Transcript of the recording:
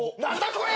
これ。